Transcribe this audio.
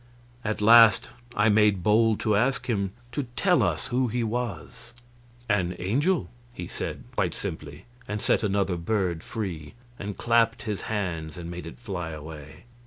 At last I made bold to ask him to tell us who he was. "An angel," he said, quite simply, and set another bird free and clapped his hands and made it fly away.